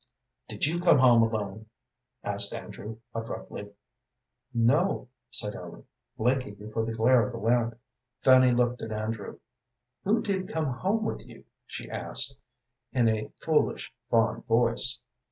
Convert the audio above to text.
"Did you come home alone?" asked Andrew, abruptly. "No," said Ellen, blinking before the glare of the lamp. Fanny looked at Andrew. "Who did come home with you?" she asked, in a foolish, fond voice.